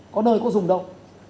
có nơi có dùng đâu